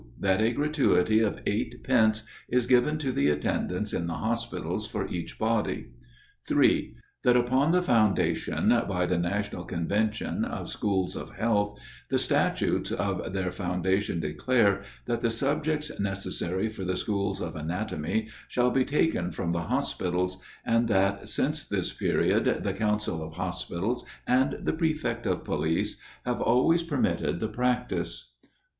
That a gratuity of eight pence is given to the attendants in the hospitals for each body. 3. That upon the foundation by the National Convention, of schools of health, the statutes of their foundation declare, that the subjects necessary for the schools of anatomy shall be taken from the hospitals, and that since this period, the council of hospitals and the prefect of police, have always permitted the practice.